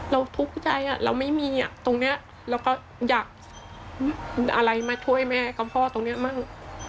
ทุกข์ใจเราไม่มีตรงนี้เราก็อยากอะไรมาช่วยแม่กับพ่อตรงนี้มั่ง